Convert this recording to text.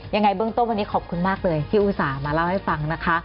ยังไงเบื้องต้นวันนี้ขอบคุณมากเลยที่อุตส่าห์มาเล่าให้ฟังนะคะ